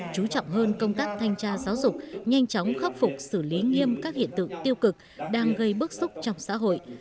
những công tác thanh tra giáo dục nhanh chóng khắc phục xử lý nghiêm các hiện tượng tiêu cực đang gây bức xúc trong xã hội